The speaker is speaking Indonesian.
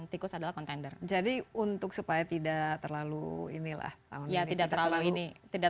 tikus adalah kontender jadi untuk supaya tidak terlalu inilah tahun ini tidak terlalu ini tidak